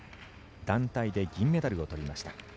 団体で銀メダルを取りました。